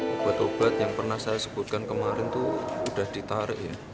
obat obat yang pernah saya sebutkan kemarin itu sudah ditarik ya